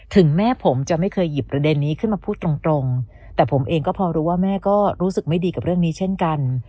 ถึงแม่ผมจะไม่เคยหยิบประเด็นนี้ขึ้นมาพูดตรงตรงแต่ผมเองก็พอรู้ว่าแม่ก็รู้สึกไม่ดีกับเรื่องนี้เช่นกัน